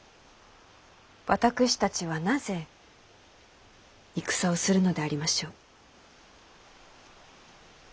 私たちはなぜ戦をするのでありましょう？